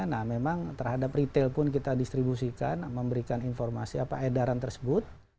nah memang terhadap retail pun kita distribusikan memberikan informasi apa edaran tersebut